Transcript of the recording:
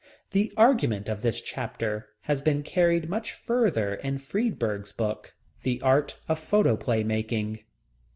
The argument of this chapter has been carried much further in Freeburg's book, The Art of Photoplay Making.